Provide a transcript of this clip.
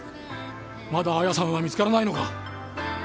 まだ彩矢さんは見つからないのか？